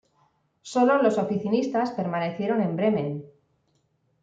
Solo los oficinistas permanecieron en Bremen.